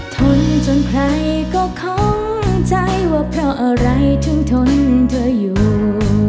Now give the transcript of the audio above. ทนจนใครก็คิดว่าเพราะอะไรทุ่งทนเธออยู่